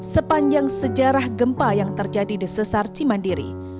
sepanjang sejarah gempa yang terjadi di sesar cimandiri